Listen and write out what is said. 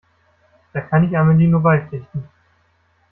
Da kann ich Amelie nur beipflichten.